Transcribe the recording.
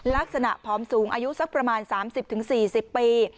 ลักษณะพร้อมสูงอายุสักประมาณ๓๐๔๐ปี